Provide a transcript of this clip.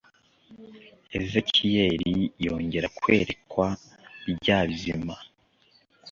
ezekiyeli yongera kwerekwa bya bizima